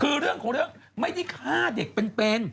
คือเรื่องของเรื่องไม่ได้ฆ่าเด็กเป็น